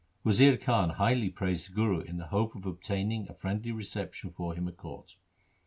Wazir Khan highly praised the Guru in the hope of obtaining a friendly reception for him at court.